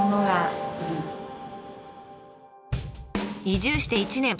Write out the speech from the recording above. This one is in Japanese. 移住して１年。